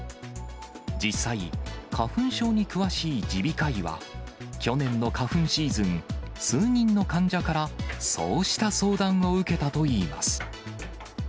実際、花粉症に詳しい耳鼻科医は、去年の花粉シーズン、数人の患者から、そうした相談を受けたといいます。